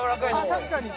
確かに。